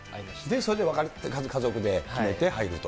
それで家族で決めて入ると。